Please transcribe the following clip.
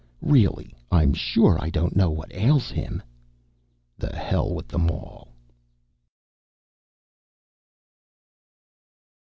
Really, I'm sure I don't know what ails him." The hell with them all.